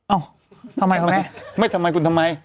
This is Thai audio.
เอ้าทำไมคุณแม่ไม่ทำไมคุณทำไม